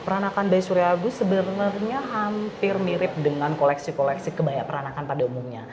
peranakan by surya abduh sebenarnya hampir mirip dengan koleksi koleksi kebaya peranakan pada umumnya